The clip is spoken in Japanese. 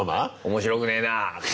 面白くねえなって。